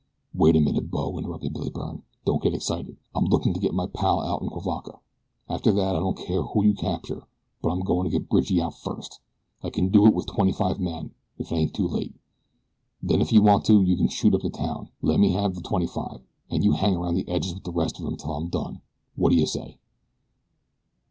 "Wait a minute, bo," interrupted Billy Byrne. "Don't get excited. I'm lookin' to get my pal outen' Cuivaca. After that I don't care who you capture; but I'm goin' to get Bridgie out first. I ken do it with twenty five men if it ain't too late. Then, if you want to, you can shoot up the town. Lemme have the twenty five, an' you hang around the edges with the rest of 'em 'til I'm done. Whaddaya say?"